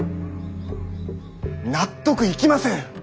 納得いきません。